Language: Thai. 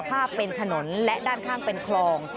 ภาพเป็นถนนและด้านข้างเป็นคลอง